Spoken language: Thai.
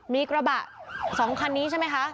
มีกระบะ๒คันนี้ใช่ไหมคะ